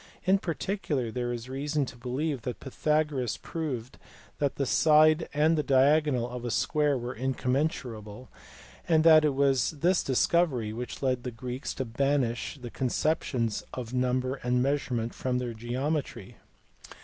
In particular, there is reason to believe that Pythagoras proved that the side and the diagonal of a square, were incommensurable; and that it was this discovery which led; the Greeks to banish the conceptions of number and measure ment from their geometry.